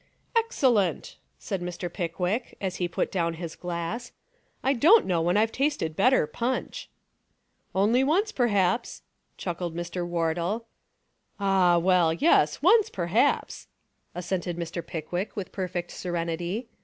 "Excellent," said Mr. Pickwick, as he put down his glass, "I don't know when I've tasted better punch." "Only once, perhaps," chuckled Mr. Wardle. "Ah, well, yes, once, perhaps!" assented Mr. Pickwick with perfect serenity.